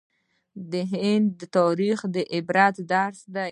د هند تاریخ د عبرت درس دی.